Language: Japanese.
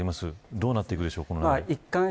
この後どうなっていくんでしょう。